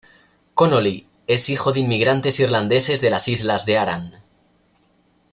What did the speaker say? Connolly es hijo de inmigrantes irlandeses de las islas de Aran.